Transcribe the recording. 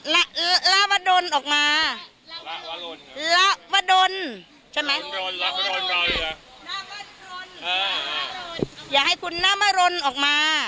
อยากให้คุณนามรนออกมา